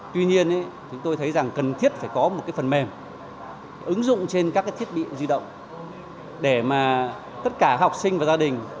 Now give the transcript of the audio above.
tuy nhiên chúng tôi thấy rằng cần thiết phải có một cái phần mềm ứng dụng trên các cái thiết bị di động để mà tất cả học sinh và gia đình